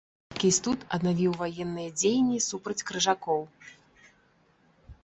Кейстут аднавіў ваенныя дзеянні супраць крыжакоў.